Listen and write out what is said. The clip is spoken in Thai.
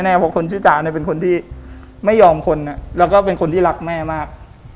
เพราะคนชื่อจ๋าเนี่ยเป็นคนที่ไม่ยอมคนแล้วก็เป็นคนที่รักแม่มาก